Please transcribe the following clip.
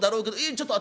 ちょっと私